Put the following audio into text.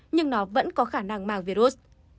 nhưng nó vẫn có khả năng mang virus